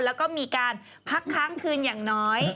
แล้วก็มีการพักค้างคืนอย่างน้อย